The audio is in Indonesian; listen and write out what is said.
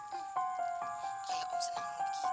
kayak om seneng gitu